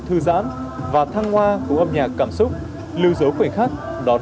thư giãn và thăng hoa của âm nhạc cảm xúc lưu dấu quảy khắc đón năm mới thật đặc biệt